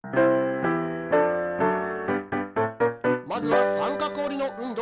まずは三角おりの運動！